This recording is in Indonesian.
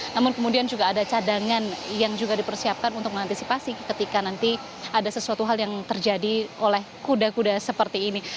namun kemudian juga ada cadangan yang juga dipersiapkan untuk mengantisipasi ketika nanti ada sesuatu hal yang terjadi oleh kuda kuda seperti ini